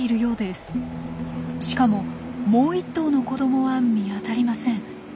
しかももう一頭の子どもは見当たりません。